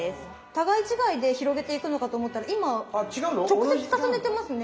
互い違いで広げていくのかと思ったら今直接重ねてますね。